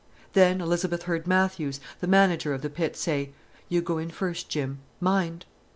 Then Elizabeth heard Matthews, the manager of the pit, say: "You go in first, Jim. Mind!"